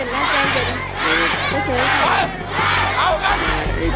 อย่าเกี่ยวเต็มนะเจ้าอีก